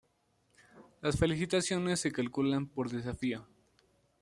Las felicitaciones se calculan por desafío.